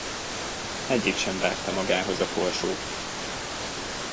Egyik sem vágta magához a korsót.